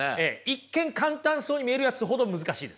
一見簡単そうに見えるやつほど難しいですから。